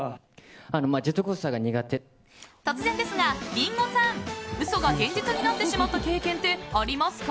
突然ですがリンゴさん嘘が現実になってしまった経験ってありますか？